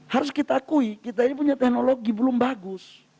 harus kita akui kita ini punya teknologi belum bagus